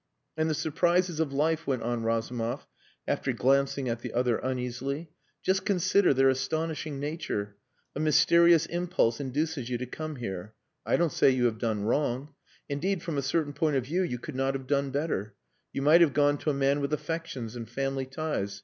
"And the surprises of life," went on Razumov, after glancing at the other uneasily. "Just consider their astonishing nature. A mysterious impulse induces you to come here. I don't say you have done wrong. Indeed, from a certain point of view you could not have done better. You might have gone to a man with affections and family ties.